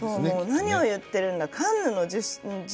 何を言っているんだ。